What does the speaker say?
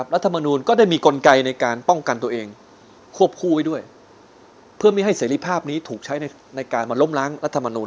รัฐมนูลก็ได้มีกลไกในการป้องกันตัวเองควบคู่ไว้ด้วยเพื่อไม่ให้เสรีภาพนี้ถูกใช้ในการมาล้มล้างรัฐมนูล